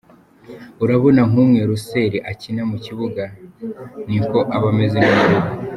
Urabona kumwe Russell akina mu kibuga; ni ko aba ameze no mu rugo.